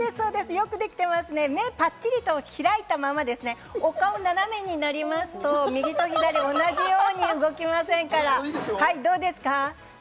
よくできてますね、目をぱっちりと開いたままですね、お顔を斜めになりますと右と左、同じように動きませんから、どうですか？